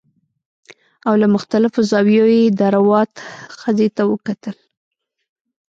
او له مختلفو زاویو یې د روات ښځې ته وکتل